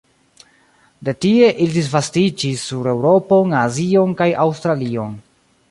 De tie ili disvastiĝis sur Eŭropon, Azion kaj Aŭstralion.